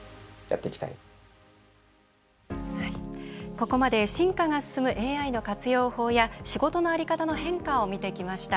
ここまで進化が進むＡＩの活用法や仕事の在り方の変化を見てきました。